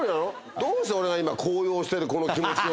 どうして俺が今高揚してるこの気持ちを。